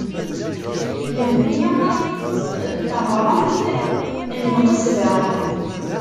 Lebni n teɣremt n Lqesba.